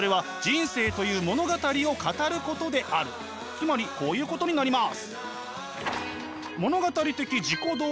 つまりこういうことになります。